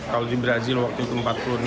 kalau di brazil waktu itu empat puluh enam